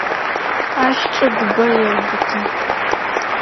Ащ чӏыгубэ еубыты.